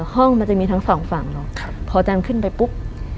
ห้องมันจะมีทั้งสองฝั่งเนอะพอจันทร์ขึ้นไปปุ๊บ